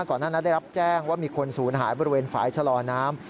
ก่อนหน้านั้นได้รับแจ้งว่ามีคนศูนย์หายบริเวณฝ่ายชะลอน้ำ